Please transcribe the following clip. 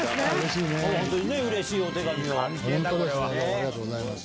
ありがとうございます。